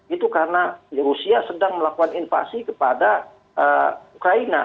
itu karena rusia sedang melakukan invasi kepada ukraina